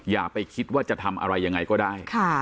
อย่าไปคิดว่าจะทำอะไรยังไงก็ได้